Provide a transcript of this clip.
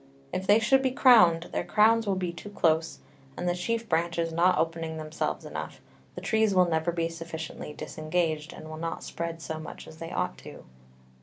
If they should be crowned, their Crowns will be too close; and the chief Branches not opening themselves enough, the Trees will never be sufficiently disengaged, and will not spread so much as they ought to do.